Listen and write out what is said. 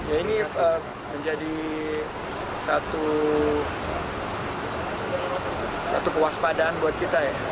ini menjadi satu kewaspadaan buat kita